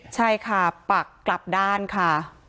ใช่ค่ะปักกลับด้านค่ะ